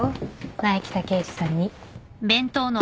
前来た刑事さんに。